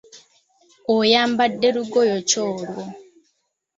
Oyambadde lugoye ki olwo?